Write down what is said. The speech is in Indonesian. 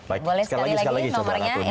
boleh sekali lagi nomernya